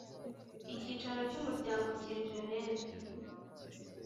Icyicaro cy umuryango kiri geneve